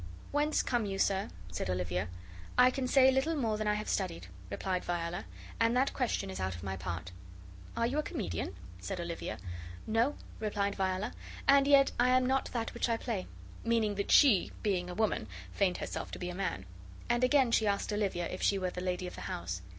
"Whence come you, sir?" said Olivia. "I can say little more than I have studied," replied Viola, and that question is out of my part." "Are you a comedian?" said Olivia. "No," replied Viola; "and yet I am not that which I play," meaning that she, being a woman, feigned herself to be a man. And again she asked Olivia if she were the lady of the house.